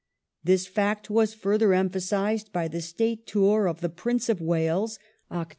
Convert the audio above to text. This fact was further emphasized by the State Tour of the Prince of Wales (Oct.